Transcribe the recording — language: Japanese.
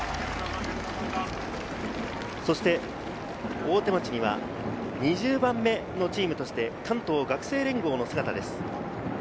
大手町には２０番目のチームとして関東学生連合の姿です。